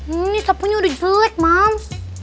ini sapunya udah jelek mams